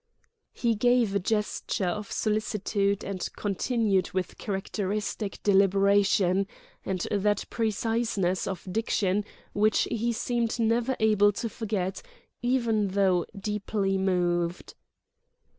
He gave a gesture of solicitude and continued with characteristic deliberation, and that preciseness of diction which he seemed never able to forget, even though deeply moved.